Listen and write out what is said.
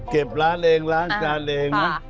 เก็บร้านเองล้างจานเองนะ